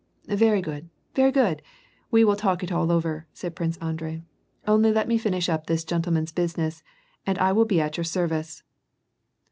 " Very good, very good ! We will talk it all over," said Prince Andrei. " Only let me finish up this gentleman's busi* ness and I will be at your service."